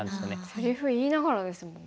せりふ言いながらですもんね。